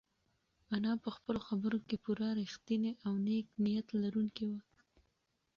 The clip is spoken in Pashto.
انا په خپلو خبرو کې پوره رښتینې او نېک نیت لرونکې وه.